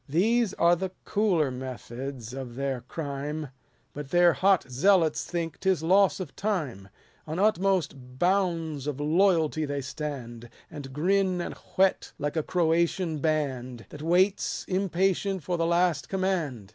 These are the cooler methods of their crime, 237 But their hot zealots think 'tis loss of time ; On utmost bounds of loyalty they stand, And grin and whet like a Croatian band. That waits impatient for the last command.